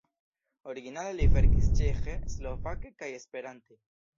Originale li verkis ĉeĥe, slovake kaj esperante.